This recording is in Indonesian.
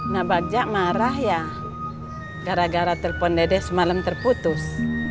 nah bagja marah ya gara gara telpon dede semalam terputus